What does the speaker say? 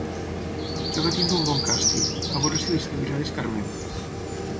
Ja va tenir un bon càstig: a veure si li servirà d'escarment.